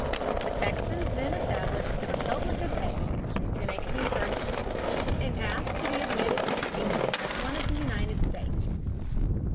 The Texans then established the Republic of Texas (1836) and asked to be admitted to the Union as one of the United States.